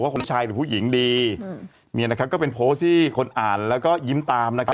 หนูอ่านโต๊ะศักดิ์สิทธิ์